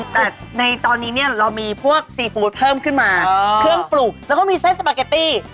แต่ในตอนนี้เนี่ยเรามีพวกซีฟู้ดเพิ่มขึ้นมาเครื่องปลูกแล้วก็มีเส้นสปาเกตตี้